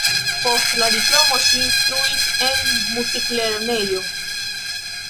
Post la diplomo ŝi instruis en muziklernejo.